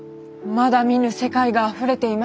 まだ見ぬ世界があふれていますね。